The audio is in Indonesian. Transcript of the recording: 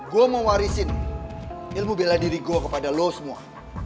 gue mau warisin ilmu bela diri gue kepada lo semua